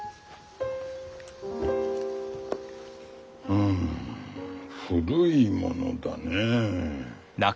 うん古いものだねえ。